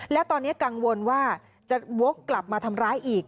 และตอนนี้กังวลว่าจะวกกลับมาทำร้ายอีก